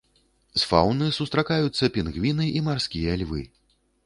З фаўны сустракаюцца пінгвіны і марскія львы.